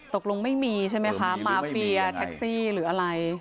ตกลงไม่มีใช่ไหมคะมาเฟียแท็กซี่หรืออะไร